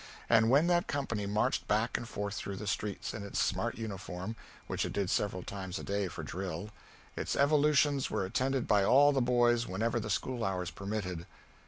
And when that company marched back and forth through the streets in its smart uniform which it did several times a day for drill its evolutions were attended by all the boys whenever the school hours permitted.